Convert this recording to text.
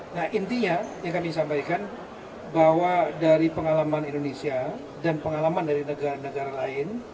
nah intinya yang kami sampaikan bahwa dari pengalaman indonesia dan pengalaman dari negara negara lain